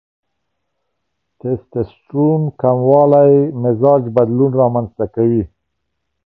ټیسټسټرون کموالی مزاج بدلون رامنځته کوي.